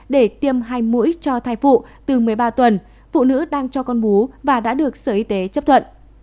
để tiêm hai mũi cho thai phụ từ một mươi ba tuần phụ nữ đang cho con bú và đã được sở y tế chấp thuận